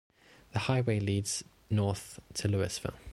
The highway leads north to Louisville.